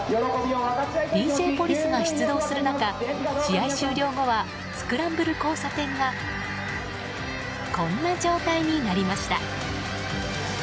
ＤＪポリスが出動する中試合終了後はスクランブル交差点がこんな状態になりました。